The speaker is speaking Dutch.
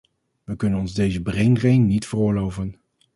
We kunnen ons deze braindrain niet veroorloven.